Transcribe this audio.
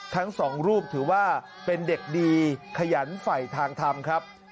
ทั้งสองรูปถือว่าเป็นเด็กดีขยันฝ่ายทางทำครับ